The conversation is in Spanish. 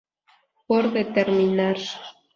Por determinar.